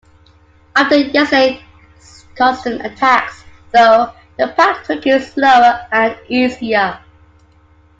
After yesterday's constant attacks, though, the pack took it slower and easier.